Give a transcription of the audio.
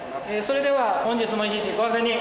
それでは本日も一日ご安全に。